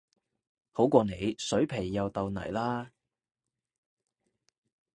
好過你水皮又豆泥啦